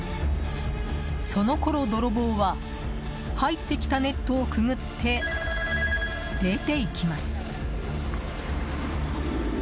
そのころ、泥棒は入ってきたネットをくぐって出ていきます。